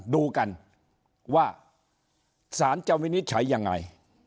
ดูกันว่าสารเจ้าวินิตใช้ยังไง